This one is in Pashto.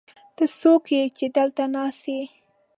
ته څوک يې، چې دلته ناست يې؟